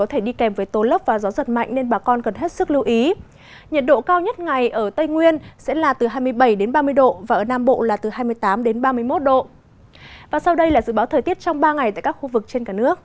hãy đăng ký kênh để ủng hộ kênh của chúng mình nhé